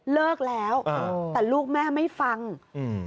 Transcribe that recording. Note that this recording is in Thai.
เลิกแล้วเออแต่ลูกแม่ไม่ฟังอืม